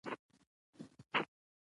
بنده معنوي اعتلا لري.